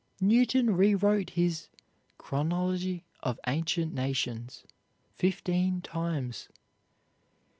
Newton rewrote his "Chronology of Ancient Nations" fifteen times.